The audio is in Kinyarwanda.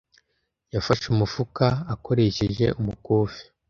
Yafashe umufuka akoresheje umukufi.